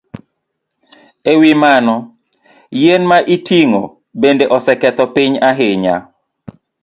E wi mano, yien ma itong'o bende oseketho piny ahinya.